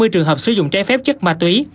hai mươi trường hợp sử dụng trái phép chất ma túy